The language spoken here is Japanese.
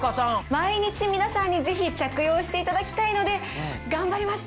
毎日皆さんにぜひ着用していただきたいので頑張りました！